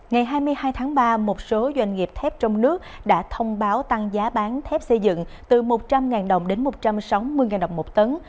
ngày hai mươi hai tháng ba một số doanh nghiệp thép trong nước đã thông báo tăng giá bán thép xây dựng từ một trăm linh đồng đến một trăm sáu mươi đồng một tấn